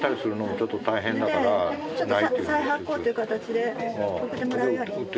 ちょっと再発行っていう形で送ってもらうように。